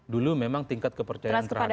dulu memang tingkat kepercayaan terhadap